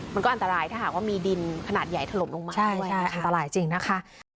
มันก็อันตรายถ้าหากว่ามีดินขนาดใหญ่ถล่มลงมาด้วยอันตรายจริงนะคะ